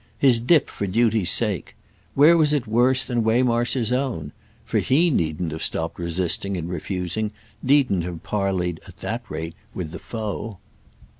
His dip for duty's sake—where was it worse than Waymarsh's own? For he needn't have stopped resisting and refusing, needn't have parleyed, at that rate, with the foe.